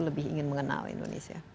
lebih ingin mengenal indonesia